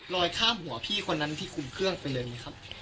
ลอยข้ามหัวพี่คนนั้นที่กลุ่มเครื่องไปเลยมั้ยครับ